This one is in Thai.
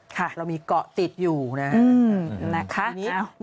ค่ะเรามีเกาะติดอยู่นะครับ